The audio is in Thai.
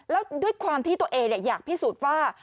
แล้วด้วยความที่ตัวเองอยากพิสูจน์ว่า